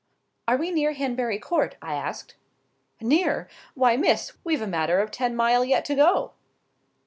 "Are we near Hanbury Court?" I asked. "Near! Why, Miss! we've a matter of ten mile yet to go."